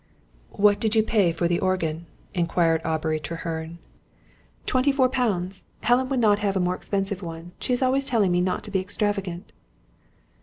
"What did you pay for the organ?" inquired Aubrey Treherne. "Twenty four pounds. Helen would not have a more expensive one. She is always telling me not to be extravagant."